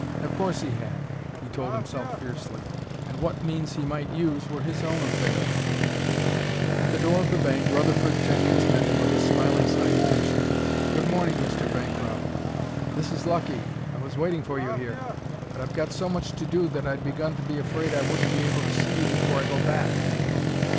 Of course he had, he told himself fiercely, and what means he might use were his own affair. At the door of the bank Rutherford Jenkins met him with a smiling salutation: "Good morning, Mr. Bancroft; this is lucky! I was waiting for you here, but I've got so much to do that I'd begun to be afraid I wouldn't be able to see you before I go back."